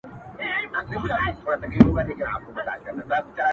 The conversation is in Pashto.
خو دده زامي له يخه څخه رېږدي”